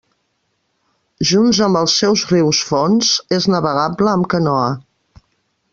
Junts amb els seus rius fonts és navegable amb canoa.